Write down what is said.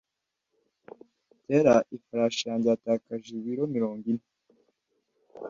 Tera ifarashi yanjye yatakaje ibiro mirongo ine